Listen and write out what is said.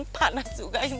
panas juga ini